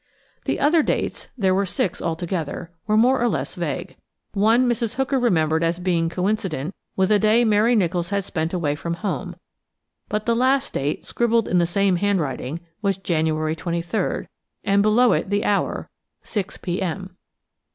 The other dates (there were six altogether) were more or less vague. One Mrs. Hooker remembered as being coincident with a day Mary Nicholls had spent away from home; but the last date, scribbled in the same handwriting, was January 23rd, and below it the hour–6 p.m.